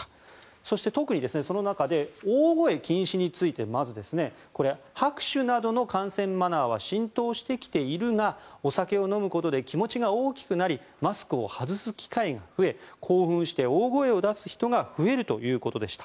そして、特にその中で大声禁止についてまず、これ拍手などの観戦マナーは浸透してきているがお酒を飲むことで気持ちが大きくなりマスクを外す機会が増え興奮して大声を出す人が増えるということでした。